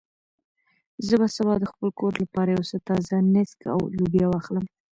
زه به سبا د خپل کور لپاره یو څه تازه نېسک او لوبیا واخلم.